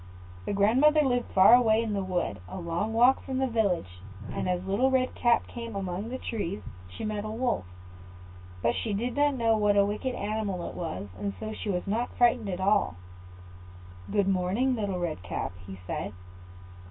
The grandmother lived far away in the wood, a long walk from the village, and as Little Red Cap came among the trees she met a Wolf; but she did not know what a wicked animal it was, and so she was not at all frightened. "Good morning, Little Red Cap," he said.